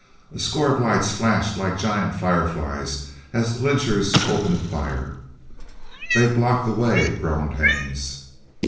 A score of lights flashed like giant fireflies as the lynchers opened fire. "They've blocked the way!" groaned Haines.